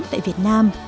tại việt nam